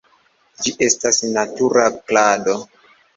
Ĝi estas natura klado.